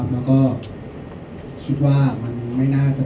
แล้วก็คิดว่ามันไม่น่าจะ